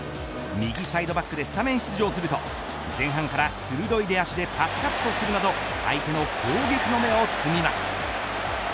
右サイドバックでスタメン出場すると前半から鋭い出足でパスカットするなど相手の攻撃の芽を摘みます。